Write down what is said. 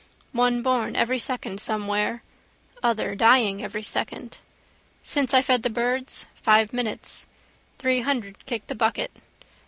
One born every second somewhere. Other dying every second. Since I fed the birds five minutes. Three hundred kicked the bucket.